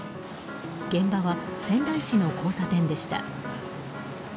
現場は仙台市の交差点でした。